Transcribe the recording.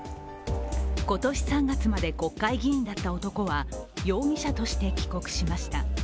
今年３月まで国会議員だった男は容疑者として帰国しました。